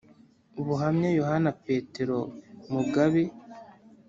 ubuhamya yohani petero mugabe